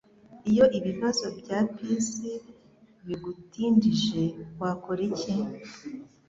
Iyo ibibazo bya PC bigutindije, wakora iki?